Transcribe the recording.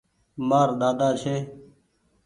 مآر ۮاۮا ڇي۔